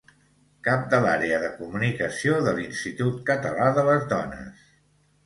Cap de l'Àrea de Comunicació de l'Institut Català de les Dones.